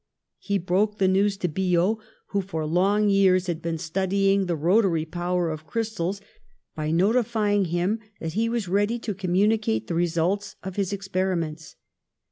He broke the news to Biot, who for long years had been studying the rotary power of crystals, by notifying him that he v/as ready to communi cate the results of his experiments.